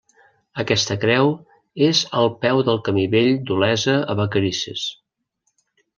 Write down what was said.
Aquesta creu és al peu del camí vell d'Olesa a Vacarisses.